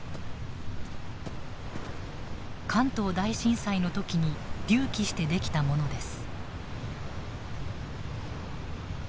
関東大震災の時に隆起して出来たものです。